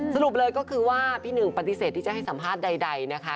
สรุปเลยก็คือว่าพี่หนึ่งปฏิเสธที่จะให้สัมภาษณ์ใดนะคะ